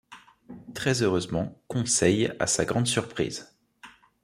Très-heureusement, Conseil, à sa grande surprise